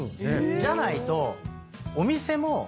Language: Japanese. じゃないとお店も。